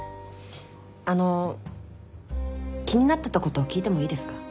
あの気になってたこと聞いてもいいですか？